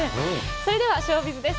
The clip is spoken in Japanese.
それではショービズです。